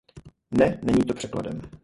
Ne, není to překladem.